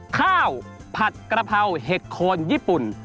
ข้าวผัดกระเพราเห็ดโคนญี่ปุ่น